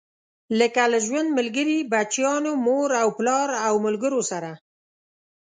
لکه له ژوند ملګري، بچيانو، مور او پلار او ملګرو سره.